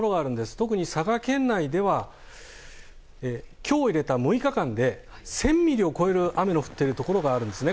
特に佐賀県内では今日入れた６日間で１０００ミリを超える雨が降っているところがあるんですね。